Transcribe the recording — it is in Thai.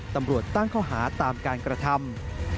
ตำรวจตั้งข้อหาตามการกระทำ